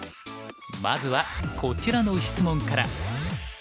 まずはこちらの質問から。